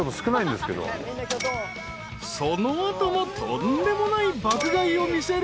［その後もとんでもない爆買いを見せる］